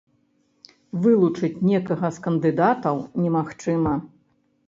Вылучыць некага з кандыдатаў немагчыма.